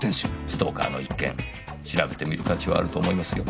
ストーカーの一件調べてみる価値はあると思いますよ。